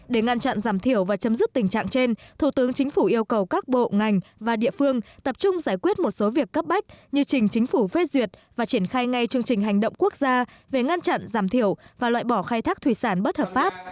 để ngăn chặn giảm thiểu và chấm dứt tình trạng trên thủ tướng chính phủ yêu cầu các bộ ngành và địa phương tập trung giải quyết một số việc cấp bách như trình chính phủ phê duyệt và triển khai ngay chương trình hành động quốc gia về ngăn chặn giảm thiểu và loại bỏ khai thác thủy sản bất hợp pháp